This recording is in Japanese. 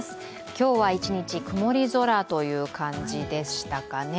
今日は一日曇り空という感じでしたかね。